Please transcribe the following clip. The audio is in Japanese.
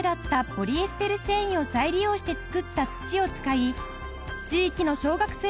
ポリエステル繊維を再利用して作った土を使い